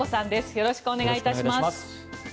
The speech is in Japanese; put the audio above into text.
よろしくお願いします。